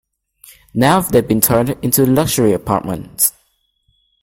Now they've been turned into luxury apartments.